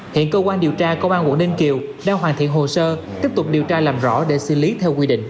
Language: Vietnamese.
hiện cơ quan điều tra công an quận ninh kiều đang hoàn thiện hồ sơ tiếp tục điều tra làm rõ để xử lý theo quy định